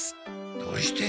どうして？